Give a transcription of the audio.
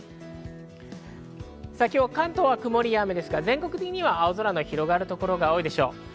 今日、関東は曇りや雨ですが、全国的には青空の広がる所が多いでしょう。